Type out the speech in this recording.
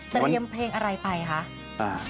เตรียมเพลงอะไรไปคะ